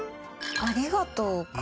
「ありがとう」か。